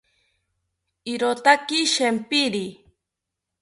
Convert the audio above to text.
Irotaki shempiri